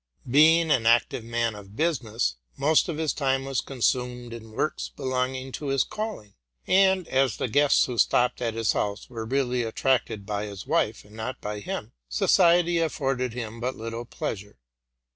Being an active man of business, most of his time was consumed in works belonging to his calling; and, as the guests who stopped at his house were really attracted by his wife and not by him, society afforded him but little pleasure.